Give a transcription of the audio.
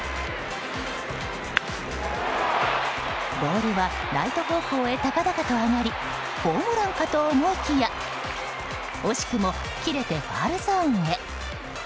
ボールは、ライト方向へ高々と上がりホームランかと思いきや惜しくも切れてファウルゾーンへ。